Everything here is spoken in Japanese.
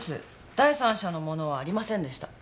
第三者のものはありませんでした。